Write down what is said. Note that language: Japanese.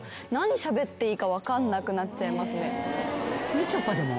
みちょぱでも？